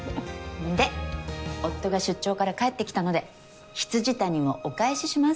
で夫が出張から帰ってきたので未谷をお返しします。